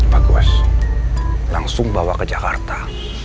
bagus langsung bawa ke jakarta